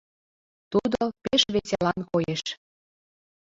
Тудо пеш веселан коеш.